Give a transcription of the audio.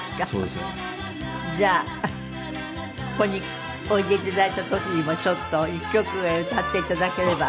ここにおいで頂いた時にもちょっと１曲ぐらい歌って頂ければ。